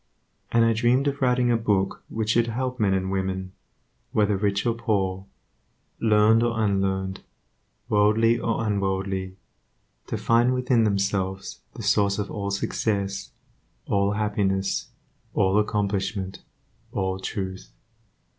And I dreamed of writing a book which should help men and women, whether rich or poor, learned or unlearned, worldly or unworldly, to find within themselves the source of all success, all happiness, all accomplishment, all truth.